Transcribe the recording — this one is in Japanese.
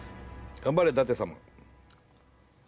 頑張れ舘様